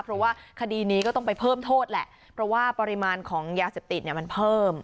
เพราะว่าคดีนี้ก็ต้องไปเพิ่มโทษแหละเพราะว่าปริมาณของยาเสพติดเนี่ยมันเพิ่ม